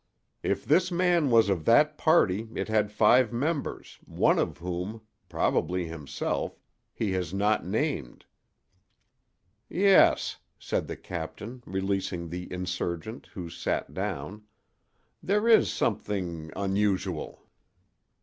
If this man was of that party it had five members, one of whom—probably himself—he has not named." "Yes," said the captain, releasing the insurgent, who sat down, "there is something—unusual.